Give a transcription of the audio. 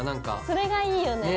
それがいいよね。